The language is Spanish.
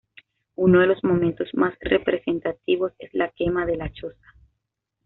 Uno de los momentos más representativos es la quema de "la choza".